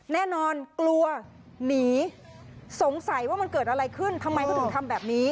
แน่นอนกลัวหนีสงสัยว่ามันเกิดอะไรขึ้นทำไมเขาถึงทำแบบนี้